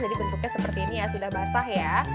jadi bentuknya seperti ini ya sudah basah ya